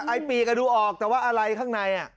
ปีกดูออกแต่ว่าอะไรข้างใน